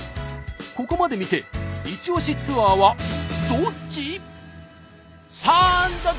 ここまで見てイチオシツアーはどっち？